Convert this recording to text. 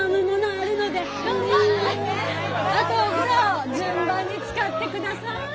あとお風呂順番に使ってください。